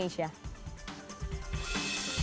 terima kasih tim kvali